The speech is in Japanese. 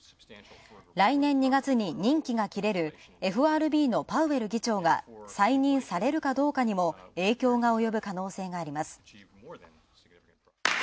来年２月に任期が切れるＦＲＢのパウエル議長が再任されるかどうかにも影響が及ぶ可能性があります。